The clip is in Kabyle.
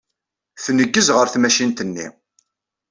Tneggez ɣer tmacint-nni.